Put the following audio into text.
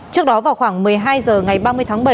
trước đó vào khoảng một mươi hai h ngày ba mươi tháng bảy